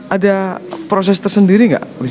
ada proses tersendiri gak